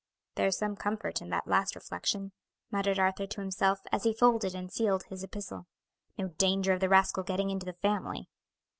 "There's some comfort in that last reflection," muttered Arthur to himself, as he folded and sealed his epistle; "no danger of the rascal getting into the family."